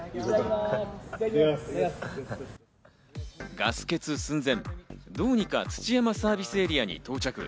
ガス欠寸前、どうにか土山サービスエリアに到着。